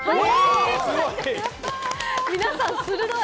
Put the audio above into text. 皆さん、鋭い！